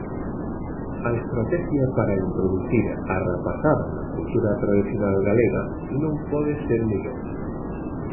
A estratexia para introducir á rapazada na cultura tradicional galega non pode ser mellor.